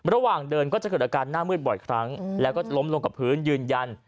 ระหว่างเดินก็จะเกิดอาการหน้ามืดบ่อยครั้งแล้วก็ล้มลงกับพื้นยืนยัน